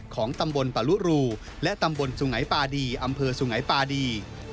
ของตำบลปะลุรูและตำบลสุงัยปาดีอำเภอสุงัยปาดี